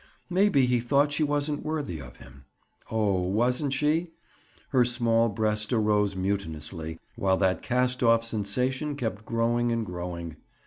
Maybe he thought she wasn't worthy of him. Oh, wasn't she? Her small breast arose mutinously, while that cast off sensation kept growing and growing.